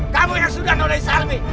kamu yang sudah menolong salmi